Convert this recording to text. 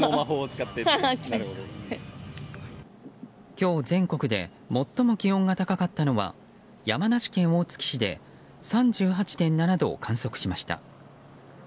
今日全国で最も気温が高かったのは山梨県大月市で３８．７度を観測しました。